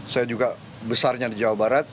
saya juga besarnya di jawa barat